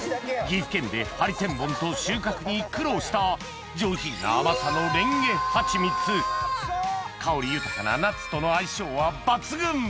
岐阜県でハリセンボンと収穫に苦労した上品な甘さのれんげはちみつ香り豊かなナッツとの相性は抜群